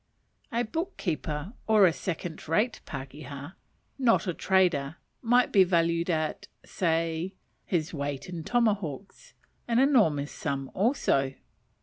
A book keeper, or a second rate pakeha, not a trader, might be valued at, say, his weight in tomahawks; an enormous sum also.